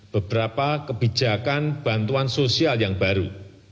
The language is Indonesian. beberapa kebijakan bantuan sosial yang baru